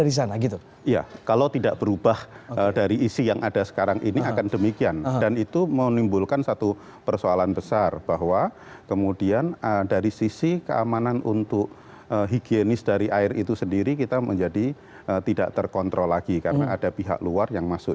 iya kalau tidak berubah dari isi yang ada sekarang ini akan demikian dan itu menimbulkan satu persoalan besar bahwa kemudian dari sisi keamanan untuk higienis dari air itu sendiri kita menjadi tidak terkontrol lagi karena ada pihak luar yang masuk